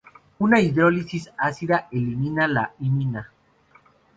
Una hidrólisis ácida elimina la imina.